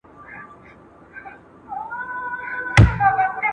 زه کتابتون ته نه راځم!؟